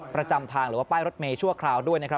ประจำทางหรือว่าป้ายรถเมย์ชั่วคราวด้วยนะครับ